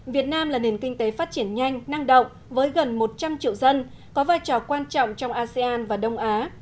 việt nam là nền kinh tế phát triển nhanh năng động với gần một trăm linh triệu dân có vai trò quan trọng trong asean và đông á